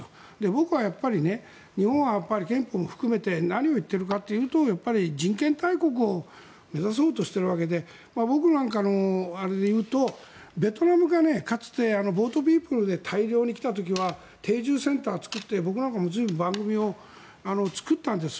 僕は日本は憲法も含めて何を言っているかというと人権大国を目指そうとしているわけで僕なんかのあれでいうとベトナムがかつてボートピープルで大量に来た時は定住センターを作って僕も随分、番組を作ったんです。